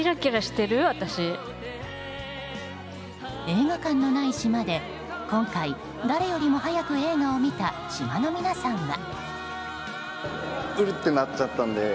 映画館のない島で今回誰よりも早く映画を見た島の皆さんは。